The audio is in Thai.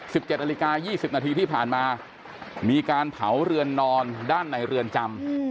สิบเจ็ดนาฬิกายี่สิบนาทีที่ผ่านมามีการเผาเรือนนอนด้านในเรือนจำ